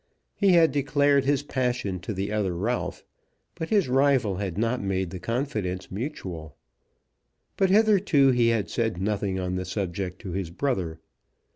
He had declared his passion to the other Ralph, but his rival had not made the confidence mutual. But hitherto he had said nothing on the subject to his brother.